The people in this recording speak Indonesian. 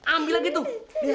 ambil lagi tuh